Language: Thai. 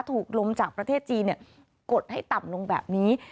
ถูกลมจากประเทศจีนกดให้ต่ำลงแบบนี้